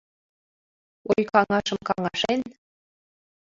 Ой-каҥашым каҥашен